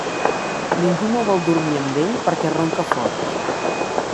Ningú no vol dormir amb ell perquè ronca fort.